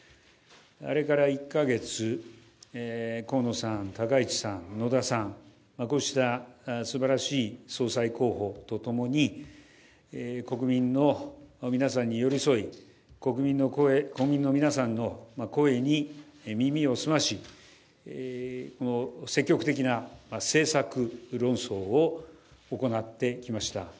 あれから１カ月、河野さん、高市さん、野田さん、こうしたすばらしい総裁候補とともに国民の皆さんに寄り添い国民の皆さんの声に耳を澄まし、積極的な政策論争を行ってきました。